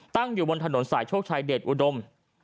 ตั้งอยู่บนถนนสายโชคชัยเดชอุดม